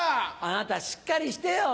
あなたしっかりしてよ。